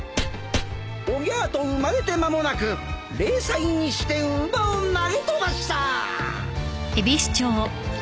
おぎゃあと生まれて間もなく０歳にして乳母を投げ飛ばした！